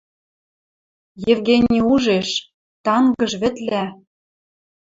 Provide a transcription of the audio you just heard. Евгений ужеш: тангыж вӹдлӓ